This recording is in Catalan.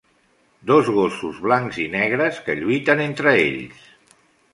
dos gossos blancs i negres que lluiten entre ells